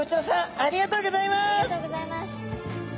ありがとうございます。